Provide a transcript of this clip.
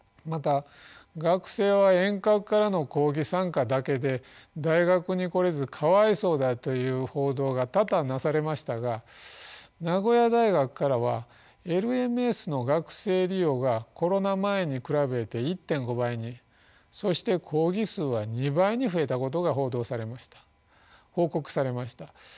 また学生は遠隔からの講義参加だけで大学に来れずかわいそうだという報道が多々なされましたが名古屋大学からはＬＭＳの学生利用がコロナ前に比べて１．５倍にそして講義数は２倍に増えたことが報告されました。